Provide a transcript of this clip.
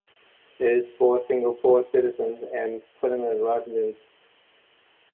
It is for Singapore citizens and Permanent Residents.